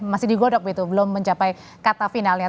masih digodok gitu belum mencapai kata finalnya